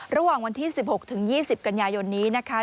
ระหว่างวันที่๑๖๒๐กันยายนนี้นะคะ